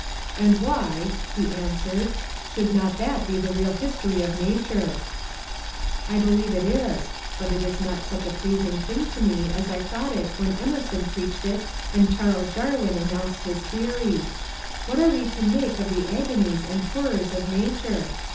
^^ And why," he answered, ^^ should not that be the real his tory of nature ?"*^ I believe it is, but it is not such a pleas* ing thing to me as I thought it when Emerson preached it and Charles Darwin announced his theory. What are we to make of the agonies and horrors of nature